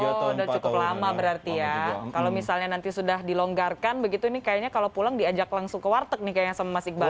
sudah cukup lama berarti ya kalau misalnya nanti sudah dilonggarkan begitu nih kalau pulang diajak langsung ke warteg nih sama mas ikhbarik